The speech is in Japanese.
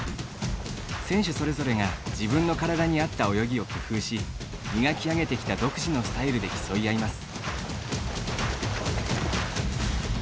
選手それぞれが自分の体に合った泳ぎを工夫し磨き上げてきた独自のスタイルで競い合います。